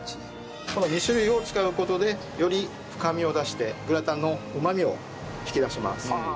この２種類を使う事でより深みを出してグラタンのうまみを引き出します。